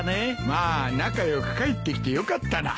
まあ仲良く帰ってきてよかったな。